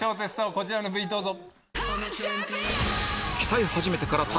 こちらのＶＴＲどうぞ。